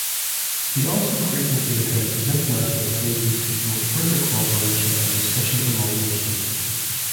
He also frequently addresses international stages to promote further cooperation and discussion among nations.